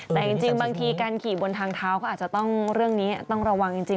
แต่จริงบางทีการขี่บนทางเท้าก็อาจจะต้องเรื่องนี้ต้องระวังจริง